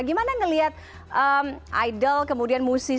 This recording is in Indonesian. gimana ngeliat idol kemudian musiknya